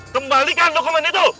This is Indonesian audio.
kembalikan dokumen itu